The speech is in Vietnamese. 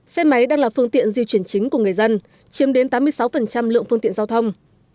xe máy đang là phương tiện di chuyển chính của người dân chiếm đến tám mươi sáu lượng phương tiện giao thông